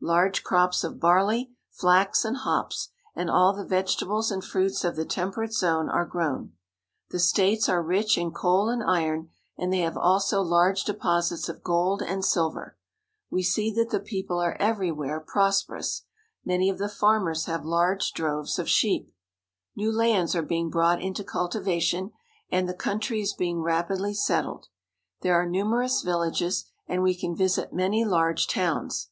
Large crops of barley, flax, and hops, and all the vegetables and fruits of the temperate zone are grown. The states are rich in coal and iron, and they have also large deposits of gold and silver. We see that the people are everywhere prosperous. Many of the farmers have OREGON. 281 large droves of sheep. New lands are being brought into cultivation, and the country is being rapidly settled. There are numerous villages, and we can visit many large towns.